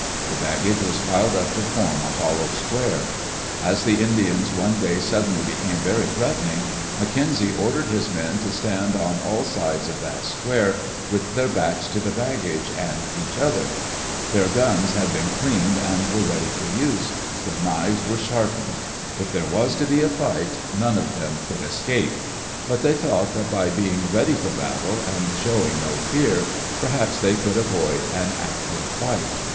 The baggage was piled up to form a hollow square. As the Indians one day suddenly became very threatening, McKenzie ordered his men to stand on all sides of that square, widi Digitized by CjOOQ IC DANGER AT FORT WALLA WALLA their backs to the baggage and each other. Their guns had been cleaned and were ready for use. Their knives were sharpened. If there was to be a fight, none of them could escape. But they thought that by being ready for battle, and showing no fear, perhaps they could avoid an actual fight.